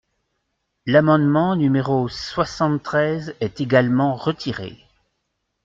L’amendement numéro soixante-treize est également retiré.